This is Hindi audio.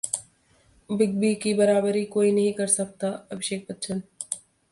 बिग बी की बराबरी कोई नहीं कर सकता: अभिषेक बच्चन